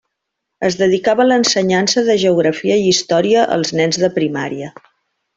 Es dedicava a l'ensenyança de Geografia i Història als nens de primària.